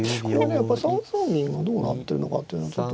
やっぱ３三銀がどうなってるのかっていうのがちょっと。